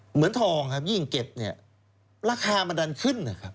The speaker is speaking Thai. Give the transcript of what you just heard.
เหมือนทองครับยิ่งเก็บเนี่ยราคามันดันขึ้นนะครับ